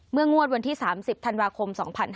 งวดวันที่๓๐ธันวาคม๒๕๕๙